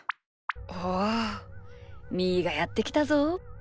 おみーがやってきたぞ。